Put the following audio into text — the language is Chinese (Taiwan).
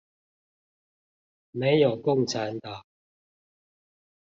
沒有共產黨